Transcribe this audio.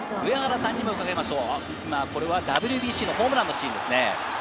ＷＢＣのホームランのシーンですね。